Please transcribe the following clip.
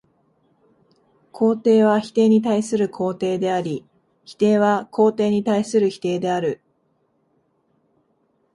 肯定は否定に対する肯定であり、否定は肯定に対する否定である。